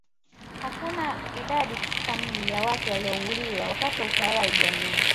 hakuna idadi kamili ya watu waliouliwa wakati wa utawala wa idi amin